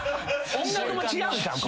音楽も違うんちゃうか？